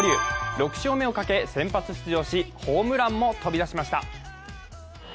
６勝目をかけ、先発出場し、ホームランも飛び出しました。